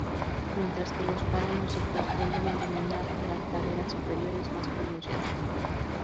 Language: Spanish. Mientras que los páramos secos tienden a dominar las laderas superiores más pronunciadas.